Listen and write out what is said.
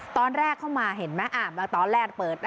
ตอนแรกเข้ามาเห็นไหมตอนแรกเปิด